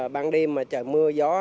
bạn đi mà trời mưa gió